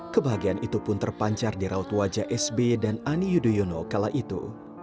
kebahagiaan itu pun terpancar di raut wajah sby dan ani yudhoyono kala itu